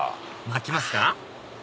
巻きますか？